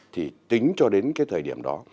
thì tính cho đến cái thời điểm đó